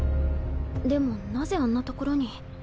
でもなぜあんな所に。